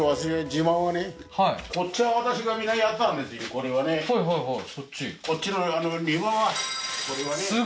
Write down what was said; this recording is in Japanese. これはねはいはいはいそっち？